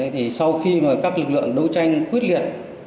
thì sau khi mà các lực lượng đấu tranh quyết liệt